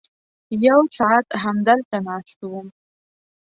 یو ساعت همدلته ناست وم.